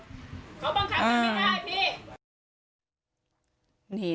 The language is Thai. เขาบังคับกันไม่ได้พี่